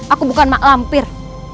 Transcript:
aku bukan mak lampir